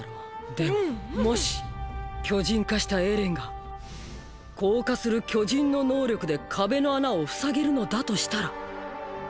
でももし巨人化したエレンが硬化する巨人の能力で壁の穴を塞げるのだとしたら。！！